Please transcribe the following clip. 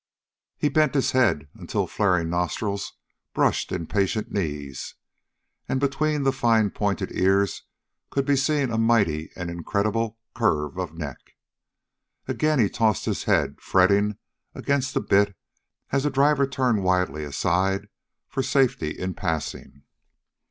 He bent his head until flaring nostrils brushed impatient knees, and between the fine pointed ears could be seen a mighty and incredible curve of neck. Again he tossed his head, fretting against the bit as the driver turned widely aside for safety in passing.